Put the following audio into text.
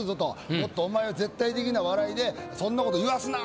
もっとお前絶対的な笑いでそんなこと言わすな！」